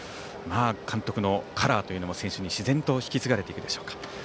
監督のカラーというのも選手に自然と引き継がれていくでしょうか。